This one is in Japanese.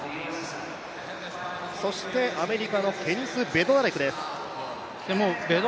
アメリカのケニス・ベドナレクです。